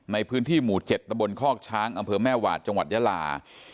ในพื้นที่หมู่๗ตะบนคอกช้างอำเภอแม่หวาดจังหวัดยาลา